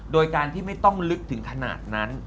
โดยการที่ไม่ต้องลึกถึงขนาดนั้น